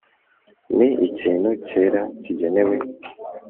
Ni ikintu cyera kigenewe